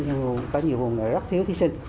nhưng có nhiều vùng là rất thiếu thí sinh